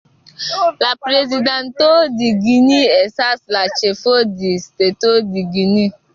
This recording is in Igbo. La prezidanto di Guinea esas la chefo di stato di Guinea.